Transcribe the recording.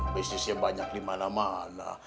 bisnisnya banyak di mana mana